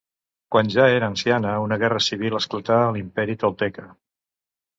Quan ja era anciana, una guerra civil esclatà a l'Imperi tolteca.